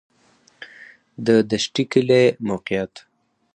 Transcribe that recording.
د دشټي کلی موقعیت